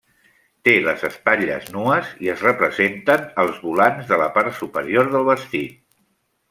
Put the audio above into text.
Té les espatlles nues i es representen els volants de la part superior del vestit.